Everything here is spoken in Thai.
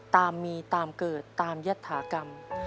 ตามมีตามเกิดตามยัตถากรรม